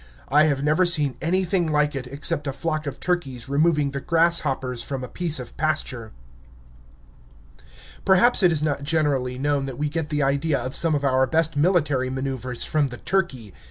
I have never seen anything like it, except a flock of turkeys removing the grasshoppers from a piece of pasture. Perhaps it is not generally known that we get the idea of some of our best military maneuvers from the turkey.